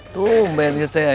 tuh ben gitu ya yang naon